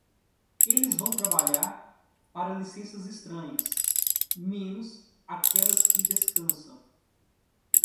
Eles vão trabalhar para licenças estranhas, menos aquelas que descansam.